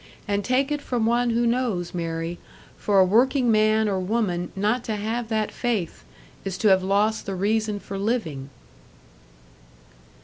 And take it from one who knows, Mary for a workingman or woman not to have that faith, is to have lost the reason for living."